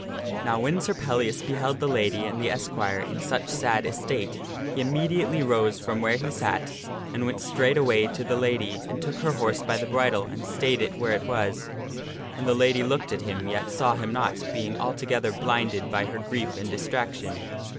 Now when Sir Pellias beheld the lady and the esquire in such sad estate, he immediately arose from where he sat and went straightway to the lady and took her horse by the bridle and stayed it where it was. And the lady looked at him, yet saw him not, being altogether blinded by her grief and distraction.